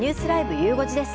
ゆう５時です。